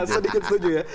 sedikit setuju ya